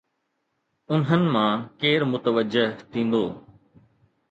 انهن مان ڪير متوجه ٿيندو؟